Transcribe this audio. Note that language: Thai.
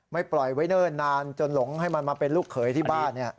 ปล่อยไว้เนิ่นนานจนหลงให้มันมาเป็นลูกเขยที่บ้าน